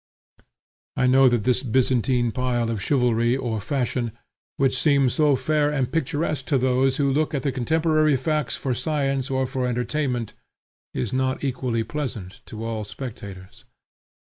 I know that this Byzantine pile of chivalry or Fashion, which seems so fair and picturesque to those who look at the contemporary facts for science or for entertainment, is not equally pleasant to all spectators.